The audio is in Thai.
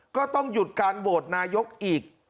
ก็ต้องหยุดการโหวตนายกอีก